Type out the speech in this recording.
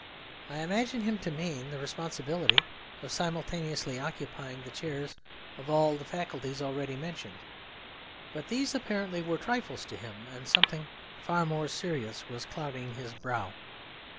I imagined him to mean the responsibility of simultaneously occupying the chairs of all the faculties already mentioned. But these apparently were trifles to him, and something far more serious was clouding his brow.